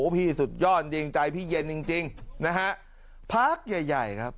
พี่สุดยอดจริงใจพี่เย็นจริงนะฮะพาร์คใหญ่ครับ